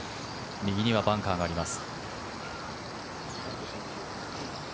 右にはバンカーがあります。